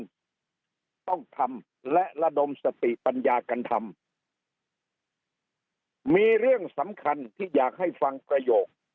ต้องทำและระดมสติปัญญากันทำมีเรื่องสำคัญที่อยากให้ฟังประโยค